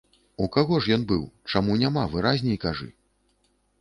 У каго ж ён быў, чаму няма, выразней кажы.